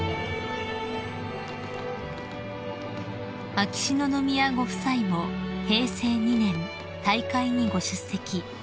［秋篠宮ご夫妻も平成２年大会にご出席］